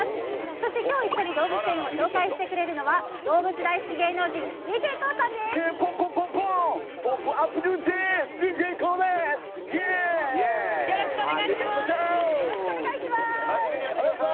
そして今日一緒に動物園を紹介してくれるのは動物大好き芸能人ＤＪＫＯＯさんです。